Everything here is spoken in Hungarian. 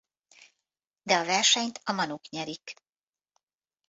De a versenyt a Manuk nyerik.